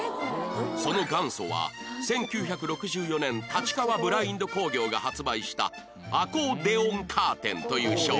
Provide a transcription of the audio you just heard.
その元祖は１９６４年立川ブラインド工業が発売したアコーデオンカーテンという商品